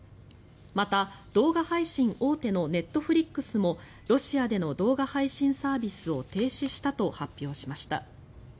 また、動画配信大手のネットフリックスもロシアでの動画配信サービスを停止したと発表しました。